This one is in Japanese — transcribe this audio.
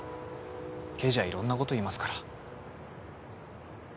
刑事はいろんな事言いますから。